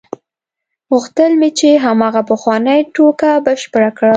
غوښتل مې چې هماغه پخوانۍ ټوکه بشپړه کړم.